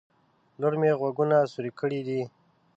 لور مې غوږونه سوروي کړي دي